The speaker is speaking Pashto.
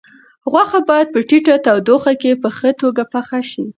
غوښه باید په ټیټه تودوخه کې په ښه توګه پخه شي.